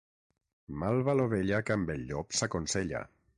Mal va l'ovella que amb el llop s'aconsella.